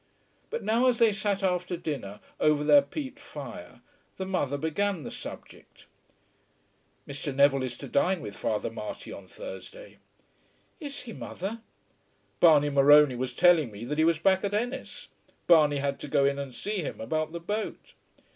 But now as they sat after dinner over their peat fire the mother began the subject. "Mr. Neville is to dine with Father Marty on Thursday." "Is he, mother?" "Barney Morony was telling me that he was back at Ennis. Barney had to go in and see him about the boat."